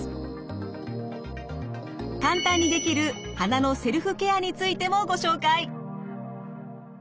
簡単にできる鼻のセルフケアについてもご紹介。